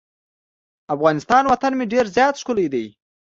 افغانستان وطن مې ډیر زیات ښکلی دی.